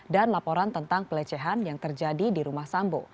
dan laporan tentang pelecehan yang terjadi di rumah sambo